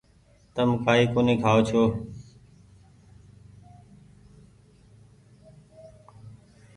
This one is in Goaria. تم ڪآئي ڪونيٚ کآئو ڇو۔